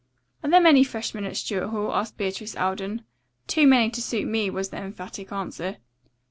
"Are there many freshmen at Stuart Hall?" asked Beatrice Alden. "Too many to suit me," was the emphatic answer.